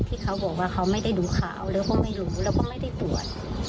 ที่เขาบอกว่าเขาไม่ได้ดูข่าวแล้วก็ไม่รู้แล้วก็ไม่ได้ตรวจ